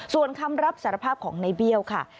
ส่วนคำรับสารภาพของในเบี้ยวค่ะ